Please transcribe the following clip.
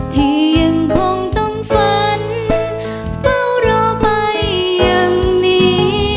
ที่ยังคงต้องฝันเฝ้ารอไปอย่างนี้